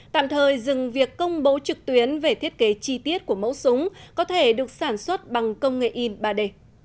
tạm thời dừng việc công bố trực tuyến về thiết kế chi tiết của mẫu súng có thể được sản xuất bằng công nghệ in ba d